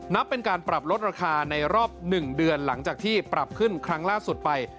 นับเป็นการปรับลดราคาในรอบ๑เดือนหลังจากที่ปรับขึ้นครั้งล่าสุดไป